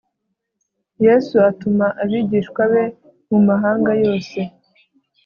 Yesu atuma abigishwa be mu mahanga yose